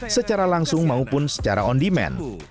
secara langsung maupun secara on demand